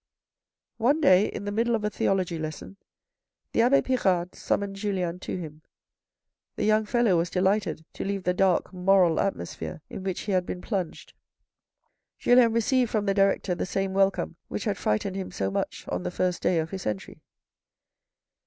One day, in the middle of a theology lesson, the Abbe Pirard summoned Julien to him. The young fellow was delighted to leave the dark, moral atmosphere in which he had been plunged. Julien received from the director the same welcome which had frightened him so much on the first day of his entry.